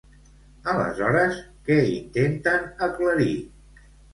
Aleshores, què intenten aclarir?